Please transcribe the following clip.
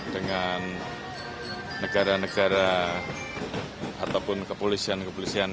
dengan negara negara ataupun kepolisian kepolisian